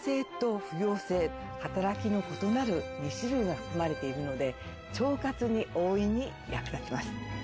働きの異なる２種類が含まれているので腸活に大いに役立ちます。